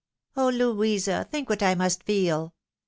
Oh, Louisa, think what I must feel